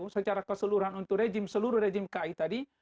secara keseluruhan untuk rejim seluruh rejim kai tadi